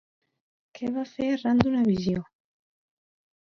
Què va fer arran d'una visió?